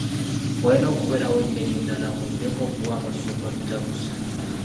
Walina okubeerawo engeri endala ng'oggyeko okuwa abasumba giraavuzi.